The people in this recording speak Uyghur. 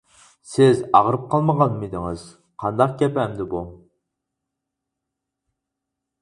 -سىز ئاغرىپ قالغانمىدىڭىز، قانداق گەپ ئەمدى بۇ.